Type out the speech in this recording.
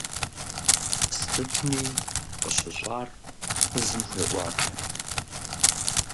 Сытми къыщыщӀар фызым хуеӀуатэ.